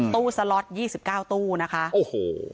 สล็อต๒๙ตู้นะคะโอ้โห